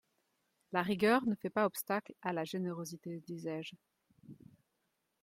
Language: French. La rigueur ne fait pas obstacle à la générosité, disais-je.